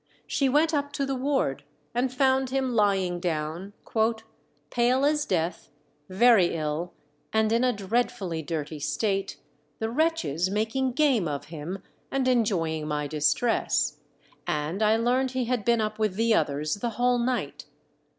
She went up to the ward and found him lying down, "pale as death, very ill, and in a dreadfully dirty state, the wretches making game of him, and enjoying my distress; and I learned he had been up with the others the whole night.